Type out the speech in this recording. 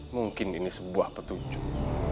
mungkin ini sebuah petunjuk